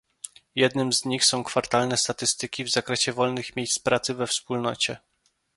Jednym z nich są kwartalne statystyki w zakresie wolnych miejsc pracy we Wspólnocie